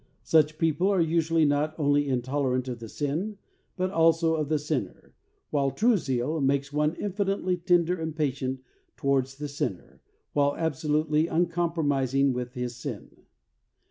Such people are usually not only intolerant of the sin, but also of the sinner, while true zeal makes one infinitely tender and patient towards the sinner, while absolutely uncompromis ing with his sin.